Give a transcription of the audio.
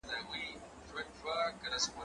ايا ته مېوې وچوې،